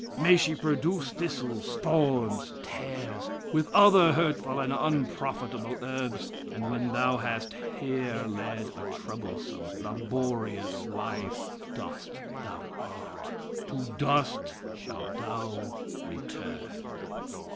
May she produce thistles, thorns, tares, with other hurtful and unprofitable herbs, and when thou hast here led a troublesome, laborious life, dust thou art, to dust shalt thou return......